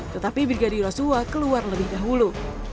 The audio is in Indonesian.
tetapi brigadir yoso hota keluar lebih dahulu